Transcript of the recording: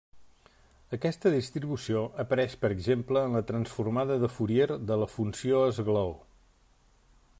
Aquesta distribució apareix per exemple en la transformada de Fourier de la Funció esglaó.